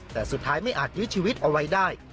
แต่สุดท้ายไม่อาจยื้อชีวิตเอาไว้ได้